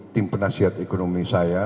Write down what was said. tim penasihat ekonomi saya